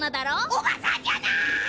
おばさんじゃない！